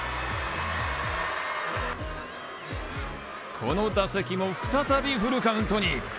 この打席も再びフルカウントに。